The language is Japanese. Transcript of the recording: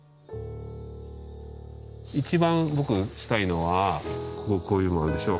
一番僕したいのはこここういうものあるでしょ。